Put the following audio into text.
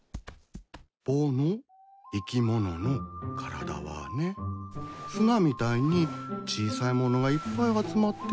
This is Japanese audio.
ぼの生き物の体はね砂みたいに小さいものがいっぱい集まってできてるの。